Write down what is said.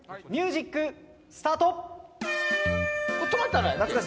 ミュージックスタート。